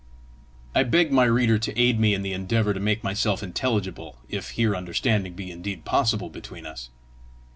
I beg my reader to aid me in the endeavour to make myself intelligible if here understanding be indeed possible between us.